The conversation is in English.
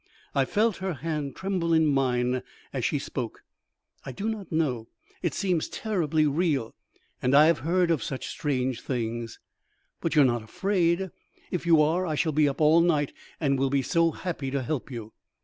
I felt her hand tremble in mine as she spoke. "I do not know. It seems terribly real, and I have heard of such strange things." "But you are not afraid? If you are, I shall be up all night, and will be so happy to help you."